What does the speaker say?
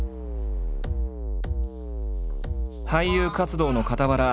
俳優活動のかたわら